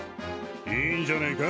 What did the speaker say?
いいんじゃねえか。